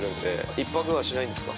一泊はしないんですか。